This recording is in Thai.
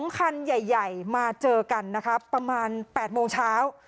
คันใหญ่มาเจอกันนะคะประมาณ๘โมงเช้า